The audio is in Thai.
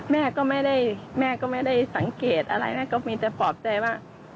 แม่ก็ไม่ได้แม่ก็ไม่ได้สังเกตอะไรแม่ก็มีแต่ปลอบใจว่า